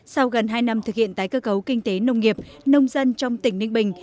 sau gần hai năm thực hiện tái cơ cấu kinh tế nông nghiệp nông dân trong tỉnh ninh bình